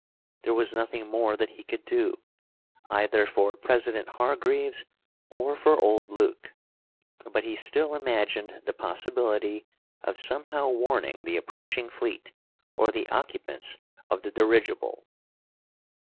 There was nothing more that he could do, either for President Hargreaves or for old Luke, but he still imagined the possibility of somehow warning the approaching fleet or the occupants of the dirigible.